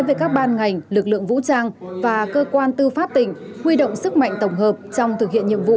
với các ban ngành lực lượng vũ trang và cơ quan tư pháp tỉnh huy động sức mạnh tổng hợp trong thực hiện nhiệm vụ